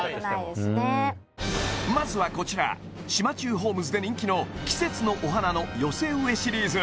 まずはこちら島忠ホームズで人気の季節のお花の寄せ植えシリーズ